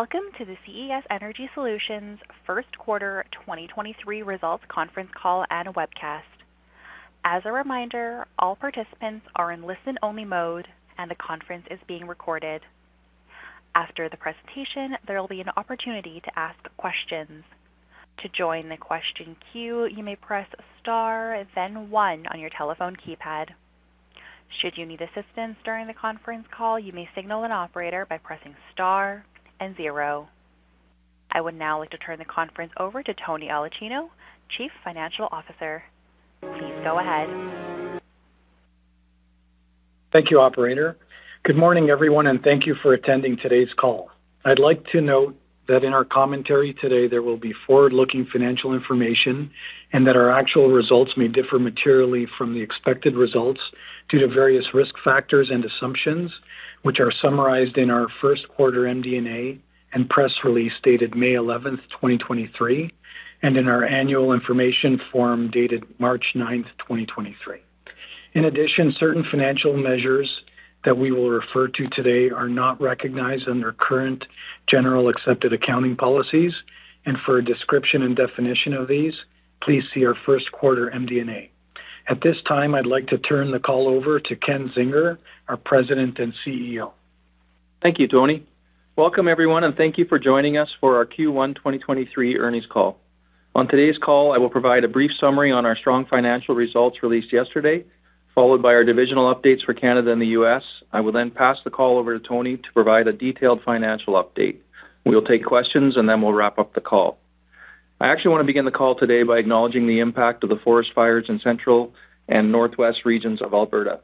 Welcome to the CES Energy Solutions Q1 2023 results conference call and webcast. As a reminder, all participants are in listen-only mode and the conference is being recorded. After the presentation, there will be an opportunity to ask questions. To join the question queue, you may press Star then one on your telephone keypad. Should you need assistance during the conference call, you may signal an operator by pressing Star and zero. I would now like to turn the conference over to Tony Aulicino, Chief Financial Officer. Please go ahead. Thank you, operator. Good morning, everyone, and thank you for attending today's call. I'd like to note that in our commentary today, there will be forward-looking financial information and that our actual results may differ materially from the expected results due to various risk factors and assumptions, which are summarized in our Q1 MD&A and press release dated May 11th 2023, and in our annual information form dated March 9th 2023. In addition, certain financial measures that we will refer to today are not recognized under current general accepted accounting policies. For a description and definition of these, please see our Q1 MD&A. At this time, I'd like to turn the call over to Ken Zinger, our President and CEO. Thank you, Tony. Welcome, everyone, and thank you for joining us for our Q1 2023 earnings call. On today's call, I will provide a brief summary on our strong financial results released yesterday, followed by our divisional updates for Canada and the U.S. I will then pass the call over to Tony to provide a detailed financial update. We will take questions, and then we'll wrap up the call. I actually want to begin the call today by acknowledging the impact of the forest fires in central and northwest regions of Alberta.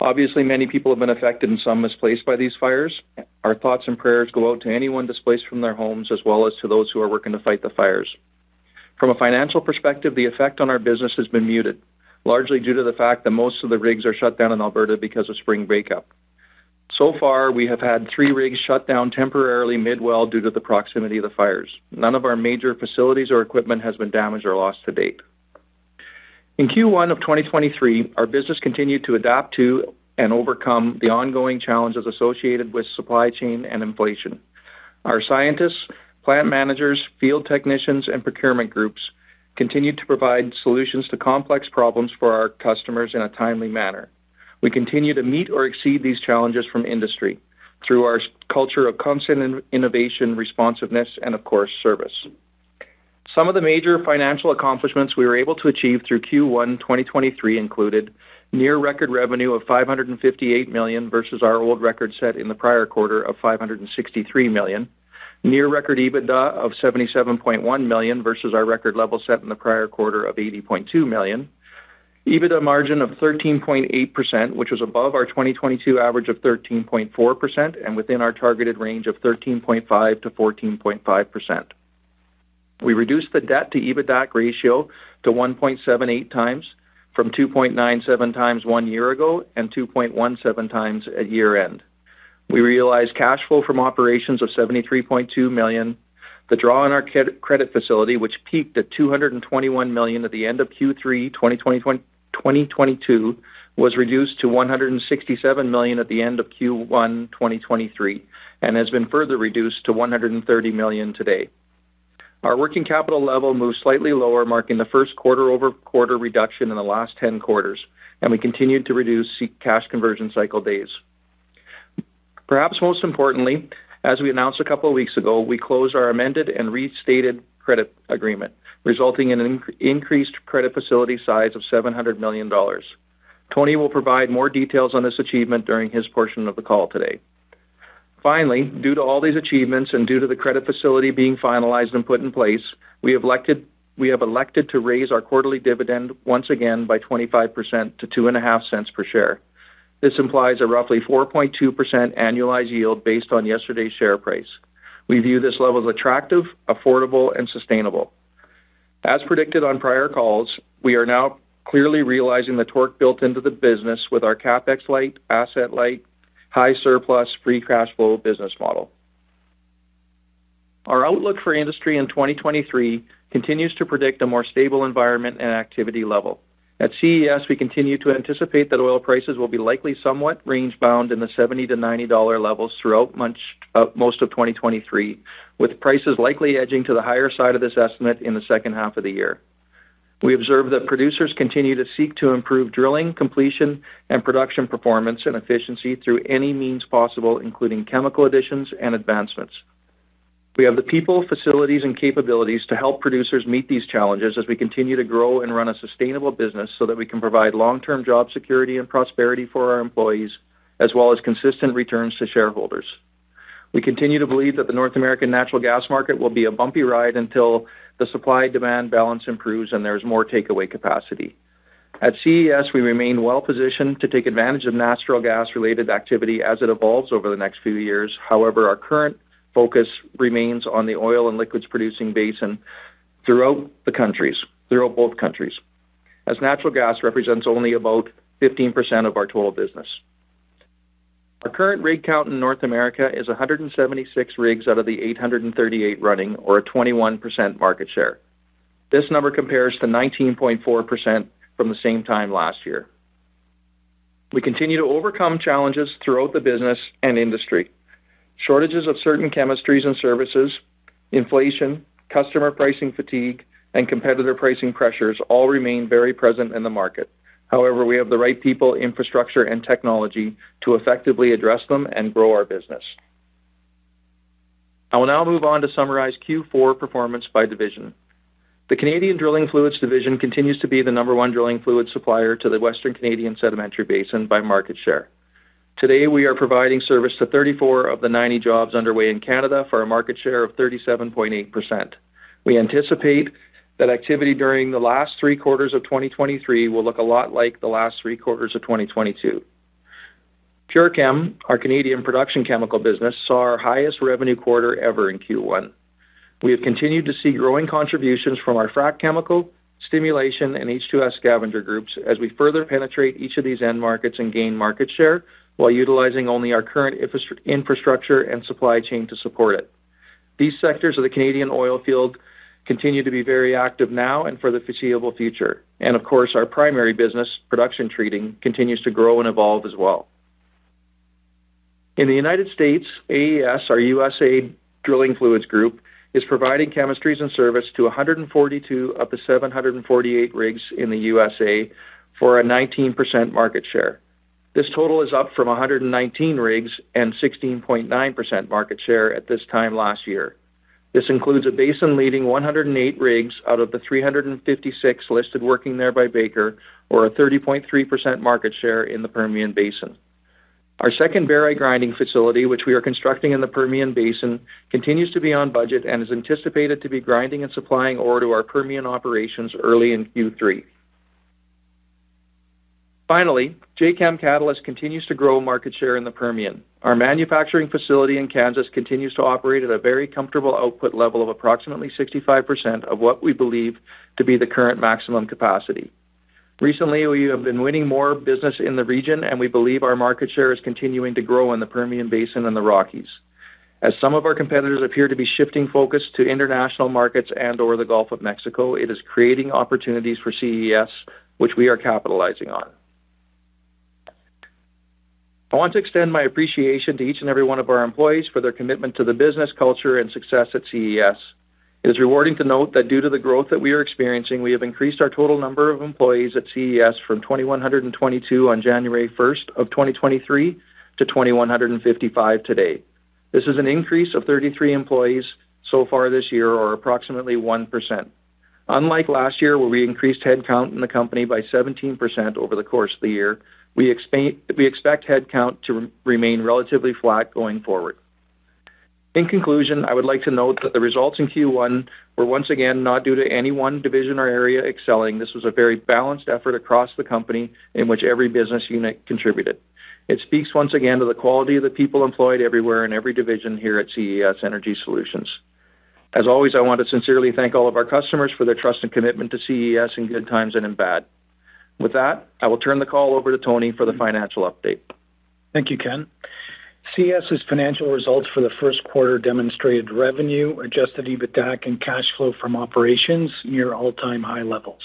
Obviously, many people have been affected and some misplaced by these fires. Our thoughts and prayers go out to anyone displaced from their homes as well as to those who are working to fight the fires. From a financial perspective, the effect on our business has been muted, largely due to the fact that most of the rigs are shut down in Alberta because of spring breakup. So far, we have had three rigs shut down temporarily mid-well due to the proximity of the fires. None of our major facilities or equipment has been damaged or lost to date. In Q1 of 2023, our business continued to adapt to and overcome the ongoing challenges associated with supply chain and inflation. Our scientists, plant managers, field technicians, and procurement groups continued to provide solutions to complex problems for our customers in a timely manner. We continue to meet or exceed these challenges from industry through our culture of constant innovation, responsiveness, and of course, service. Some of the major financial accomplishments we were able to achieve through Q1 2023 included near record revenue of 558 million versus our old record set in the prior quarter of 563 million. Near record EBITDA of $77.1 million versus our record level set in the prior quarter of 80.2 million. EBITDA margin of 13.8%, which was above our 2022 average of 13.4% and within our targeted range of 13.5%-14.5%. We reduced the debt to EBITDA ratio to 1.78x from 2.97x 1 year ago and 2.17x at year-end. We realized cash flow from operations of 73.2 million. The draw on our credit facility, which peaked at 221 million at the end of Q3 2022, was reduced to 167 million at the end of Q1 2023 and has been further reduced to 130 million today. Our working capital level moved slightly lower, marking the first quarter-over-quarter reduction in the last 10 quarters, and we continued to reduce cash conversion cycle days. Perhaps most importantly, as we announced a couple weeks ago, we closed our amended and restated credit agreement, resulting in an increased credit facility size of 700 million dollars. Tony will provide more details on this achievement during his portion of the call today. Due to all these achievements and due to the credit facility being finalized and put in place, we have elected to raise our quarterly dividend once again by 25% to 0.025 per share. This implies a roughly 4.2% annualized yield based on yesterday's share price. We view this level as attractive, affordable, and sustainable. As predicted on prior calls, we are now clearly realizing the torque built into the business with our CapEx light, asset light, high surplus, free cash flow business model. Our outlook for industry in 2023 continues to predict a more stable environment and activity level. At CES, we continue to anticipate that oil prices will be likely somewhat range-bound in the 70-90 dollar levels throughout most of 2023, with prices likely edging to the higher side of this estimate in the H2 of the year. We observe that producers continue to seek to improve drilling, completion, and production performance and efficiency through any means possible, including chemical additions and advancements. We have the people, facilities, and capabilities to help producers meet these challenges as we continue to grow and run a sustainable business so that we can provide long-term job security and prosperity for our employees, as well as consistent returns to shareholders. We continue to believe that the North American natural gas market will be a bumpy ride until the supply-demand balance improves and there's more takeaway capacity. At CES, we remain well-positioned to take advantage of natural gas-related activity as it evolves over the next few years. Our current focus remains on the oil and liquids producing basin throughout both countries, as natural gas represents only about 15% of our total business. Our current rig count in North America is 176 rigs out of the 838 running or a 21% market share. This number compares to 19.4% from the same time last year. We continue to overcome challenges throughout the business and industry. Shortages of certain chemistries and services, inflation, customer pricing fatigue, and competitive pricing pressures all remain very present in the market. We have the right people, infrastructure, and technology to effectively address them and grow our business. I will now move on to summarize Q4 performance by division. The Canadian Drilling Fluids division continues to be the number one drilling fluid supplier to the Western Canadian Sedimentary Basin by market share. Today, we are providing service to 34 of the 90 jobs underway in Canada for a market share of 37.8%. We anticipate that activity during the last three quarters of 2023 will look a lot like the last three quarters of 2022. PureChem, our Canadian production chemical business, saw our highest revenue quarter ever in Q1. We have continued to see growing contributions from our frac chemical, stimulation, and H2S scavenger groups as we further penetrate each of these end markets and gain market share while utilizing only our current infrastructure and supply chain to support it. These sectors of the Canadian oil field continue to be very active now and for the foreseeable future. Of course, our primary business, production treating, continues to grow and evolve as well. In the United States, AES, our US drilling fluids group, is providing chemistries and service to 142 of the 748 rigs in the USA for a 19% market share. This total is up from 119 rigs and 16.9% market share at this time last year. This includes a basin-leading 108 rigs out of the 356 listed working there by Baker Hughes, or a 30.3% market share in the Permian Basin. Our second barite grinding facility, which we are constructing in the Permian Basin, continues to be on budget and is anticipated to be grinding and supplying ore to our Permian operations early in Q3. Jacam Catalyst continues to grow market share in the Permian. Our manufacturing facility in Kansas continues to operate at a very comfortable output level of approximately 65% of what we believe to be the current maximum capacity. Recently, we have been winning more business in the region, and we believe our market share is continuing to grow in the Permian Basin and the Rockies. As some of our competitors appear to be shifting focus to international markets and/or the Gulf of Mexico, it is creating opportunities for CES, which we are capitalizing on. I want to extend my appreciation to each and every one of our employees for their commitment to the business, culture, and success at CES. It is rewarding to note that due to the growth that we are experiencing, we have increased our total number of employees at CES from 2,122 on January 1st 2023 to 2,155 today. This is an increase of 33 employees so far this year, or approximately 1%. Unlike last year, where we increased headcount in the company by 17% over the course of the year, we expect headcount to remain relatively flat going forward. In conclusion, I would like to note that the results in Q1 were once again not due to any one division or area excelling. This was a very balanced effort across the company in which every business unit contributed. It speaks once again to the quality of the people employed everywhere in every division here at CES Energy Solutions. As always, I want to sincerely thank all of our customers for their trust and commitment to CES in good times and in bad. With that, I will turn the call over to Tony for the financial update. Thank you, Ken. CES's financial results for the Q1 demonstrated revenue, adjusted EBITDAC, and cash flow from operations near all-time high levels.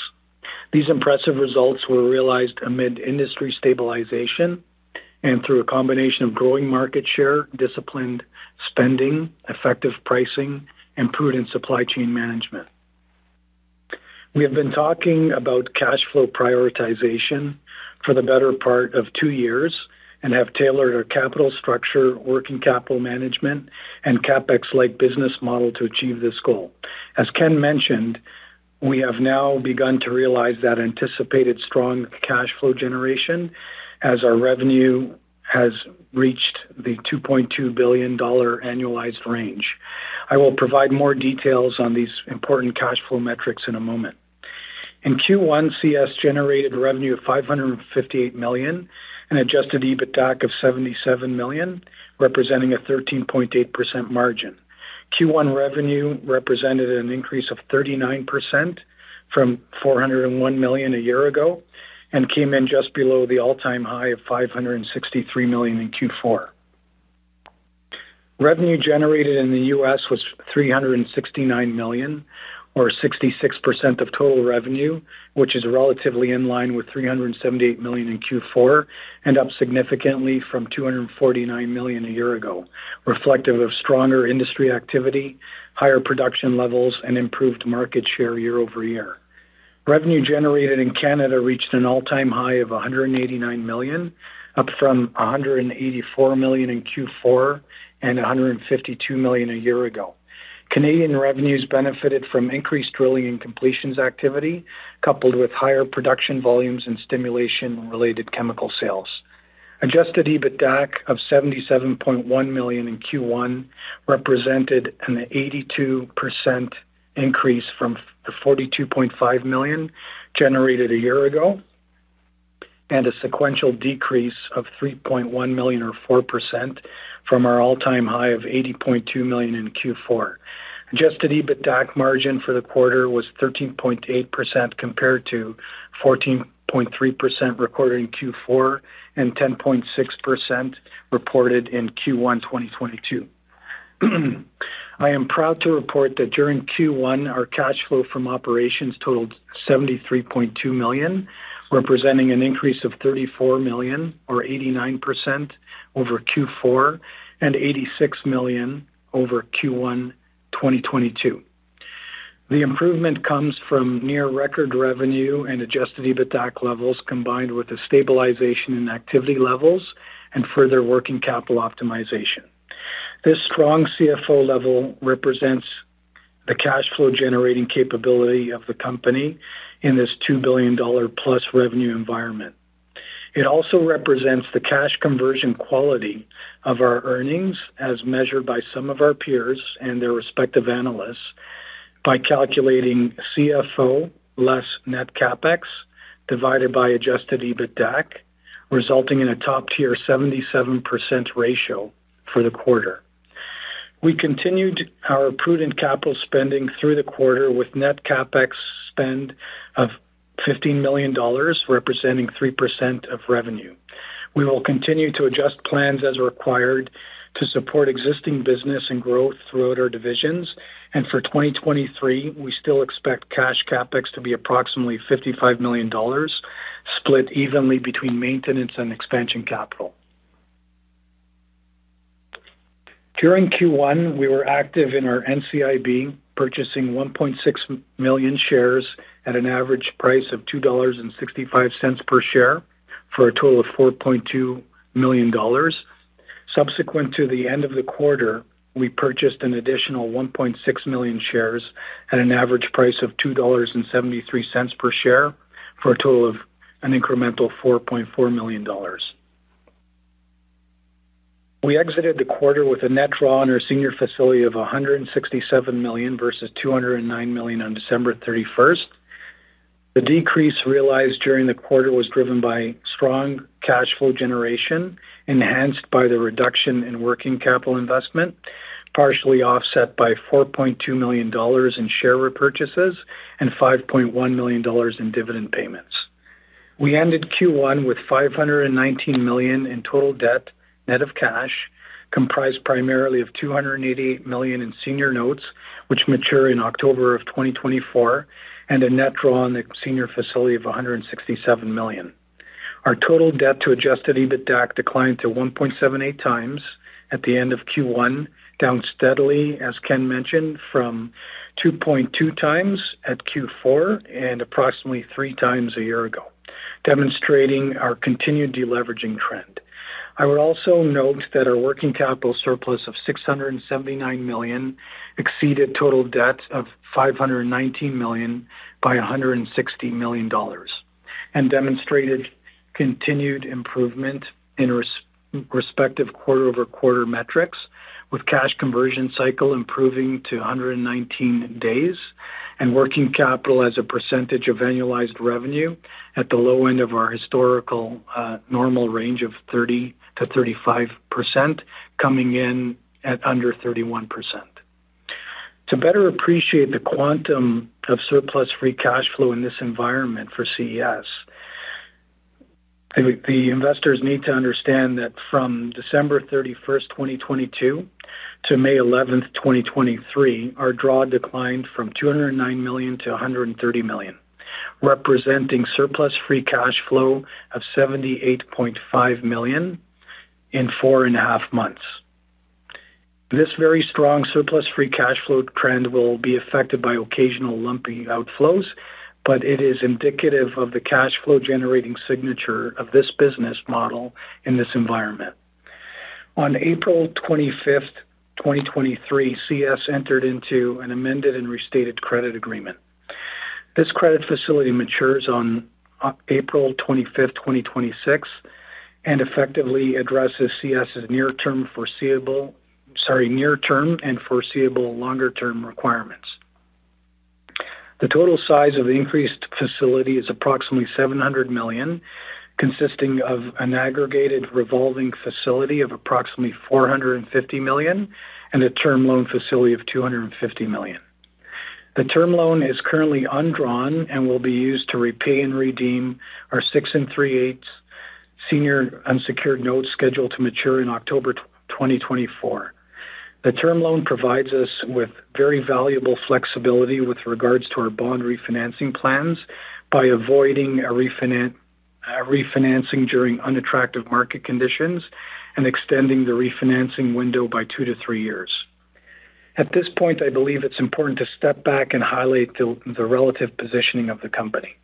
These impressive results were realized amid industry stabilization and through a combination of growing market share, disciplined spending, effective pricing, and prudent supply chain management. We have been talking about cash flow prioritization for the better part of two years and have tailored our capital structure, working capital management, and CapEx-like business model to achieve this goal. As Ken mentioned, we have now begun to realize that anticipated strong cash flow generation as our revenue has reached the 2.2 billion dollar annualized range. I will provide more details on these important cash flow metrics in a moment. In Q1, CES generated revenue of 558 million and adjusted EBITDAC of 77 million, representing a 13.8% margin. Q1 revenue represented an increase of 39% from 401 million a year ago and came in just below the all-time high of 563 million in Q4. Revenue generated in the US was 369 million or 66% of total revenue, which is relatively in line with 378 million in Q4 and up significantly from 249 million a year ago, reflective of stronger industry activity, higher production levels, and improved market share year-over-year. Revenue generated in Canada reached an all-time high of 189 million, up from 184 million in Q4 and $152 million a year ago. Canadian revenues benefited from increased drilling and completions activity, coupled with higher production volumes and stimulation-related chemical sales. Adjusted EBITDAC of 77.1 million in Q1 represented an 82% increase from the 42.5 million generated a year ago and a sequential decrease of 3.1 million or 4% from our all-time high of 80.2 million in Q4. Adjusted EBITDAC margin for the quarter was 13.8% compared to 14.3% recorded in Q4 and 10.6% reported in Q1 2022. I am proud to report that during Q1, our cash flow from operations totaled 73.2 million, representing an increase of 34 million or 89% over Q4 and 86 million over Q1 2022. The improvement comes from near record revenue and adjusted EBITDA levels, combined with a stabilization in activity levels and further working capital optimization. This strong CFO level represents the cash flow generating capability of the company in this 2 billion dollar+ revenue environment. It also represents the cash conversion quality of our earnings as measured by some of our peers and their respective analysts by calculating CFO less net CapEx divided by adjusted EBITDAC resulting in a top-tier 77% ratio for the quarter. We continued our prudent capital spending through the quarter with net CapEx spend of 15 million dollars, representing 3% of revenue. We will continue to adjust plans as required to support existing business and growth throughout our divisions. For 2023, we still expect cash CapEx to be approximately 55 million dollars, split evenly between maintenance and expansion capital. During Q1, we were active in our NCIB, purchasing 1.6 million shares at an average price of 2.65 dollars per share for a total of 4.2 million dollars. Subsequent to the end of the quarter, we purchased an additional 1.6 million shares at an average price of 2.73 dollars per share for a total of an incremental 4.4 million dollars. We exited the quarter with a net draw on our senior facility of 167 million versus 209 million on December 31st. The decrease realized during the quarter was driven by strong cash flow generation, enhanced by the reduction in working capital investment, partially offset by 4.2 million dollars in share repurchases and 5.1 million dollars in dividend payments. We ended Q1 with 519 million in total debt net of cash, comprised primarily of 288 million in senior notes, which mature in October of 2024, and a net draw on the senior facility of 167 million. Our total debt to adjusted EBITDAC declined to 1.78x at the end of Q1, down steadily, as Ken mentioned, from 2.2x at Q4 and approximately 3x a year ago, demonstrating our continued deleveraging trend. I would also note that our working capital surplus of 679 million exceeded total debt of 519 million by 160 million dollars and demonstrated continued improvement in respective quarter-over-quarter metrics, with cash conversion cycle improving to 119 days and working capital as a percentage of annualized revenue at the low end of our historical normal range of 30%-35%, coming in at under 31%. To better appreciate the quantum of surplus free cash flow in this environment for CES, I think the investors need to understand that from December 31st 2022 to May 11th 2023, our draw declined from 209 million to 130 million, representing surplus free cash flow of 78.5 million in four and a half months. This very strong surplus free cash flow trend will be affected by occasional lumpy outflows, but it is indicative of the cash flow generating signature of this business model in this environment. On April 25th 2023, CES entered into an amended and restated credit agreement. This credit facility matures on April 25th 2026, and effectively addresses CES's near-term and foreseeable longer-term requirements. The total size of the increased facility is approximately 700 million, consisting of an aggregated revolving facility of approximately 450 million and a term loan facility of 250 million. The term loan is currently undrawn and will be used to repay and redeem our six and three-eighths senior unsecured notes scheduled to mature in October 2024. The term loan provides us with very valuable flexibility with regards to our bond refinancing plans by avoiding a refinancing during unattractive market conditions and extending the refinancing window by two to three years. At this point, I believe it's important to step back and highlight the relative positioning of the company.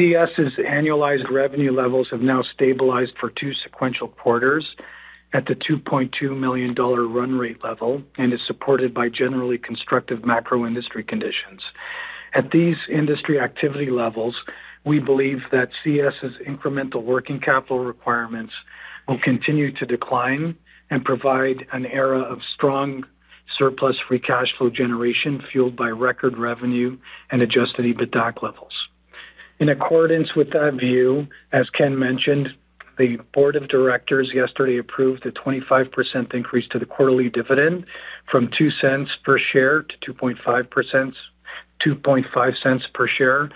CES's annualized revenue levels have now stabilized for two sequential quarters at the 2.2 million dollar run rate level and is supported by generally constructive macro industry conditions. At these industry activity levels, we believe that CES's incremental working capital requirements will continue to decline and provide an era of strong surplus free cash flow generation fueled by record revenue and adjusted EBITDAC levels. In accordance with that view, as Ken mentioned, the board of directors yesterday approved a 25% increase to the quarterly dividend from 0.02 per share to 0.025 per share.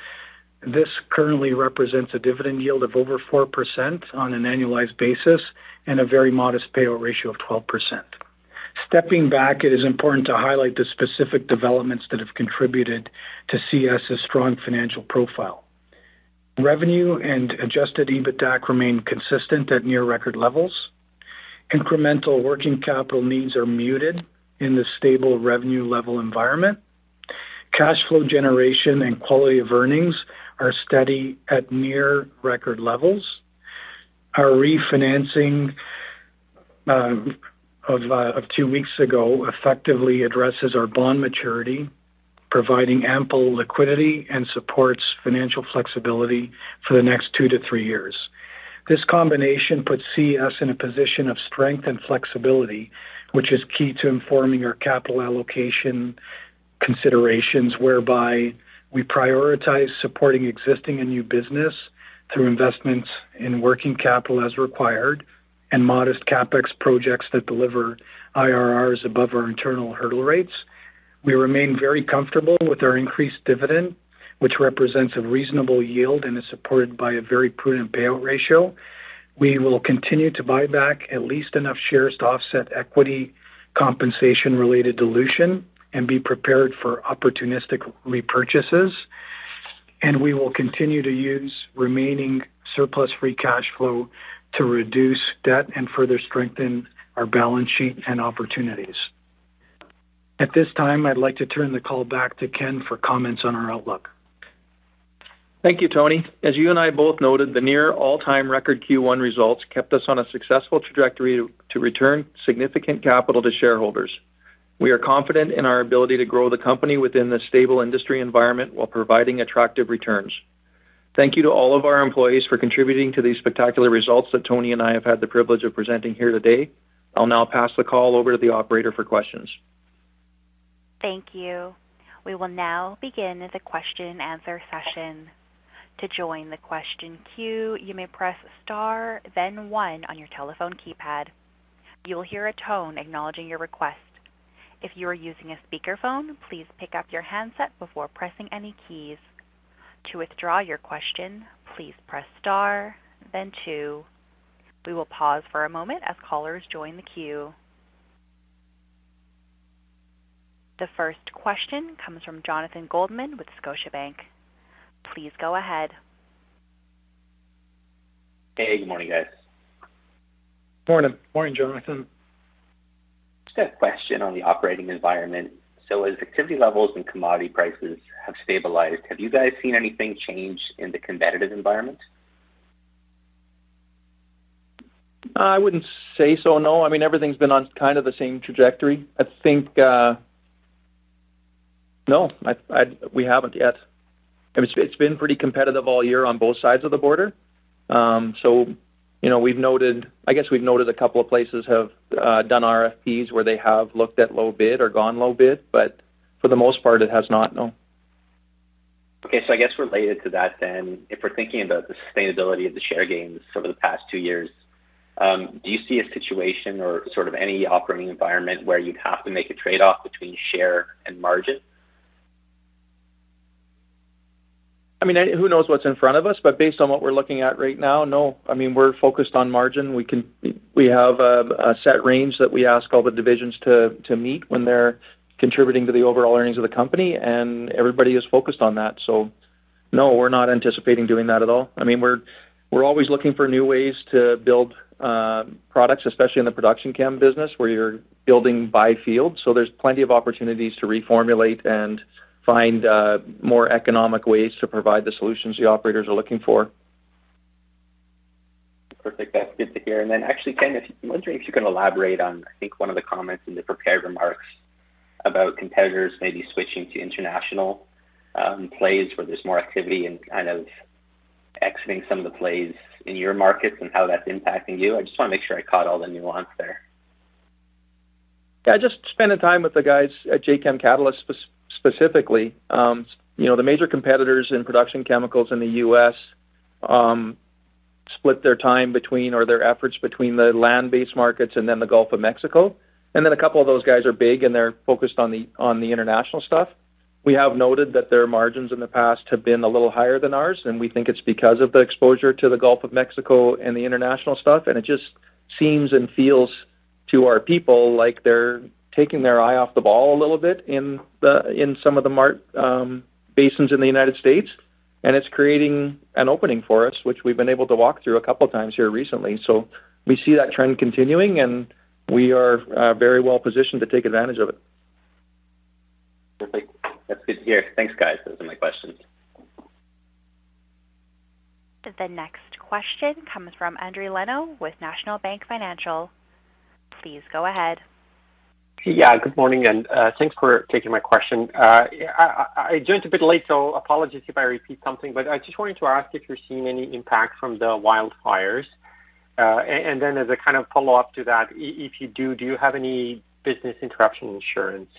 This currently represents a dividend yield of over 4% on an annualized basis and a very modest payout ratio of 12%. Stepping back, it is important to highlight the specific developments that have contributed to CES a strong financial profile. Revenue and adjusted EBITDAC remain consistent at near record levels. Incremental working capital needs are muted in the stable revenue level environment. Cash flow generation and quality of earnings are steady at near record levels. Our refinancing of two weeks ago effectively addresses our bond maturity, providing ample liquidity and supports financial flexibility for the next two to three years. This combination puts CES in a position of strength and flexibility, which is key to informing our capital allocation considerations, whereby we prioritize supporting existing and new business through investments in working capital as required and modest CapEx projects that deliver IRRs above our internal hurdle rates. We remain very comfortable with our increased dividend, which represents a reasonable yield and is supported by a very prudent payout ratio. We will continue to buy back at least enough shares to offset equity compensation related dilution and be prepared for opportunistic repurchases. We will continue to use remaining surplus free cash flow to reduce debt and further strengthen our balance sheet and opportunities. At this time, I'd like to turn the call back to Ken for comments on our outlook. Thank you, Tony. As you and I both noted, the near all-time record Q1 results kept us on a successful trajectory to return significant capital to shareholders. We are confident in our ability to grow the company within the stable industry environment while providing attractive returns. Thank you to all of our employees for contributing to these spectacular results that Tony and I have had the privilege of presenting here today. I'll now pass the call over to the operator for questions. Thank you. We will now begin the question and answer session. To join the question queue, you may press star then one on your telephone keypad. You will hear a tone acknowledging your request. If you are using a speakerphone, please pick up your handset before pressing any keys. To withdraw your question, please press star then two. We will pause for a moment as callers join the queue. The first question comes from Jonathan Goldman with Scotiabank. Please go ahead. Hey, good morning, guys. Morning. Morning, Jonathan. Just a question on the operating environment. As activity levels and commodity prices have stabilized, have you guys seen anything change in the competitive environment? I wouldn't say so, no. I mean, everything's been on kind of the same trajectory. I think. No, we haven't yet. I mean, it's been pretty competitive all year on both sides of the border. You know, we've noted, I guess we've noted a couple of places have done RFPs where they have looked at low bid or gone low bid, but for the most part, it has not, no. I guess related to that then, if we're thinking about the sustainability of the share gains over the past two years, do you see a situation or sort of any operating environment where you'd have to make a trade-off between share and margin? I mean, who knows what's in front of us, but based on what we're looking at right now, no. I mean, we're focused on margin. We have a set range that we ask all the divisions to meet when they're contributing to the overall earnings of the company, everybody is focused on that. No, we're not anticipating doing that at all. I mean, we're always looking for new ways to build products, especially in the production chem business where you're building by field. There's plenty of opportunities to reformulate and find more economic ways to provide the solutions the operators are looking for. Perfect. That's good to hear. Actually, Ken, wondering if you can elaborate on, I think, one of the comments in the prepared remarks about competitors maybe switching to international plays where there's more activity and kind of exiting some of the plays in your markets and how that's impacting you. I just want to make sure I caught all the nuance there. Just spending time with the guys at Jacam Catalyst specifically. You know, the major competitors in production chemicals in the U.S. split their time between or their efforts between the land-based markets and then the Gulf of Mexico. A couple of those guys are big, and they're focused on the international stuff. We have noted that their margins in the past have been a little higher than ours, and we think it's because of the exposure to the Gulf of Mexico and the international stuff. It just seems and feels to our people like they're taking their eye off the ball a little bit in some of the basins in the United States. It's creating an opening for us, which we've been able to walk through a couple of times here recently. We see that trend continuing, and we are very well positioned to take advantage of it. Perfect. That's good to hear. Thanks, guys. Those are my questions. The next question comes from Andrew Lennon with National Bank Financial. Please go ahead. Good morning, thanks for taking my question. I joined a bit late, apologies if I repeat something, but I just wanted to ask if you're seeing any impact from the wildfires. Then as a kind of follow-up to that, if you do you have any business interruption insurance?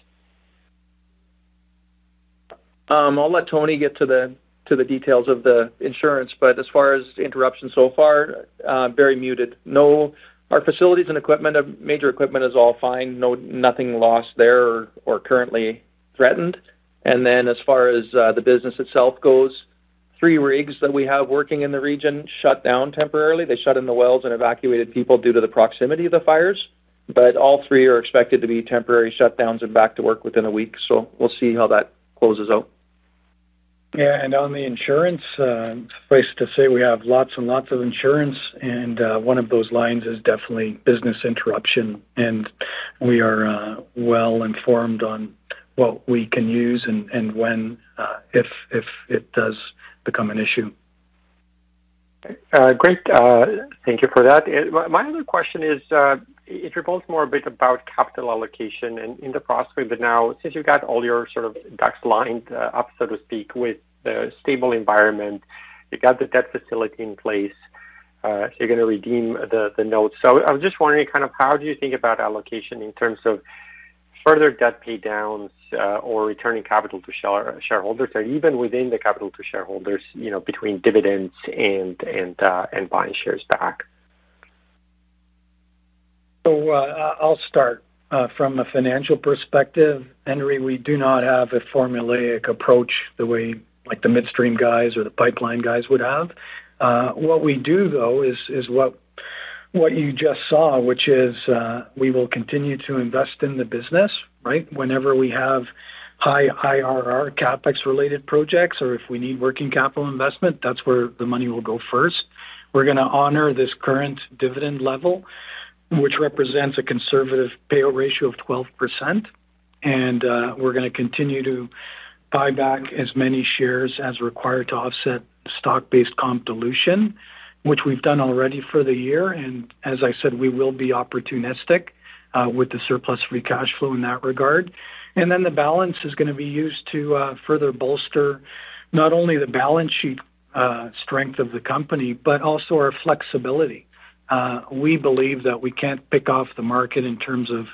I'll let Tony get to the details of the insurance, as far as interruption so far, very muted. Our facilities and equipment, major equipment is all fine. Nothing lost there or currently threatened. As far as the business itself goes. Three rigs that we have working in the region shut down temporarily. They shut in the wells and evacuated people due to the proximity of the fires, all three are expected to be temporary shutdowns and back to work within a week. We'll see how that closes out. Yeah. On the insurance, suffice to say we have lots and lots of insurance. One of those lines is definitely business interruption. We are well informed on what we can use and when, if it does become an issue. Great. Thank you for that. My other question is, it revolves more a bit about capital allocation and in the past, but now since you've got all your sort of ducks lined up, so to speak, with the stable environment, you got the debt facility in place, you're gonna redeem the notes. I was just wondering kind of how do you think about allocation in terms of further debt pay downs, or returning capital to shareholders or even within the capital to shareholders, you know, between dividends and buying shares back. I'll start. From a financial perspective, Henry, we do not have a formulaic approach the way like the midstream guys or the pipeline guys would have. What we do, though, is what you just saw, which is, we will continue to invest in the business, right? Whenever we have high IRR CapEx related projects or if we need working capital investment, that's where the money will go first. We're gonna honor this current dividend level, which represents a conservative payout ratio of 12%. We're gonna continue to buy back as many shares as required to offset stock-based compensation dilution, which we've done already for the year. As I said, we will be opportunistic with the surplus free cash flow in that regard. The balance is gonna be used to further bolster not only the balance sheet strength of the company, but also our flexibility. We believe that we can't pick off the market in terms of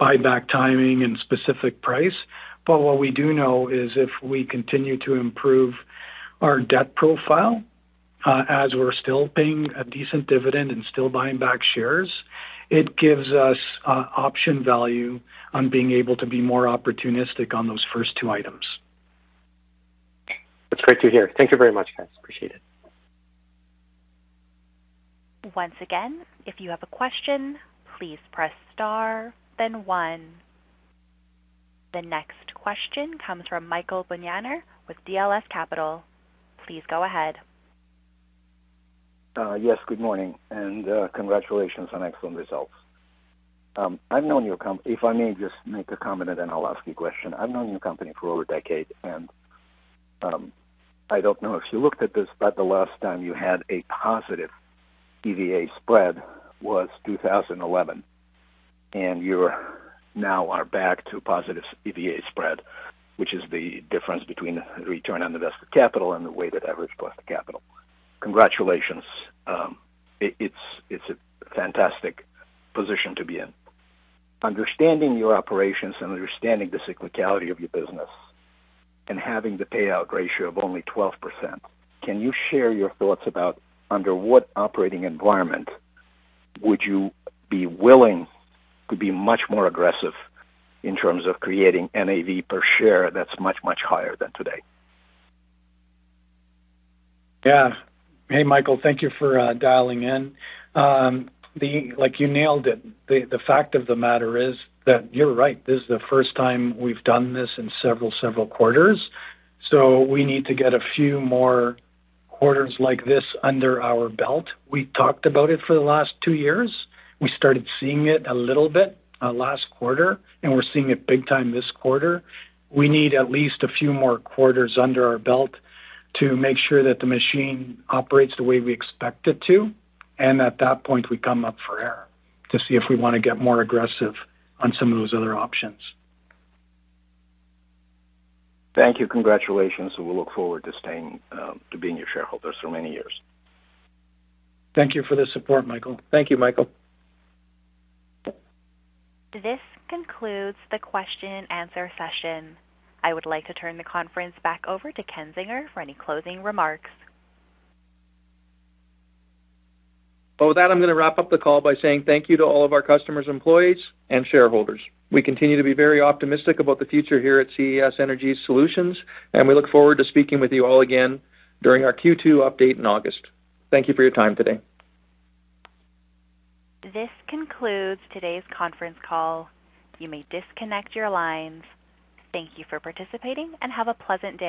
buyback timing and specific price. What we do know is if we continue to improve our debt profile, as we're still paying a decent dividend and still buying back shares, it gives us option value on being able to be more opportunistic on those first two items. That's great to hear. Thank you very much, guys. Appreciate it. Once again, if you have a question, please press star then 1. The next question comes from Michael Barth with DLS Capital. Please go ahead. Yes, good morning, congratulations on excellent results. I've known your company. If I may just make a comment and then I'll ask you a question. I've known your company for over a decade. I don't know if you looked at this, but the last time you had a positive EVA spread was 2011, and you're now back to positive EVA spread, which is the difference between return on invested capital and the weighted average plus capital. Congratulations. It's a fantastic position to be in. Understanding your operations and understanding the cyclicality of your business and having the payout ratio of only 12%, can you share your thoughts about under what operating environment would you be willing to be much more aggressive in terms of creating NAV per share that's much higher than today? Hey, Michael, thank you for dialing in. Like, you nailed it. The fact of the matter is that you're right. This is the first time we've done this in several quarters. We need to get a few more quarters like this under our belt. We talked about it for the last two years. We started seeing it a little bit last quarter, we're seeing it big time this quarter. We need at least a few more quarters under our belt to make sure that the machine operates the way we expect it to, at that point, we come up for air to see if we wanna get more aggressive on some of those other options. Thank you. Congratulations, we'll look forward to staying, to being your shareholders for many years. Thank you for the support, Michael. Thank you, Michael. This concludes the question and answer session. I would like to turn the conference back over to Ken Zinger for any closing remarks. With that, I'm gonna wrap up the call by saying thank you to all of our customers, employees, and shareholders. We continue to be very optimistic about the future here at CES Energy Solutions, we look forward to speaking with you all again during our Q2 update in August. Thank you for your time today. This concludes today's conference call. You may disconnect your lines. Thank you for participating, and have a pleasant day.